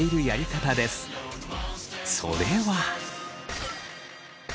それは。